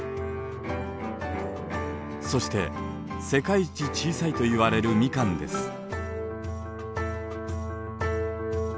そして世界一小さいといわれるミカンです。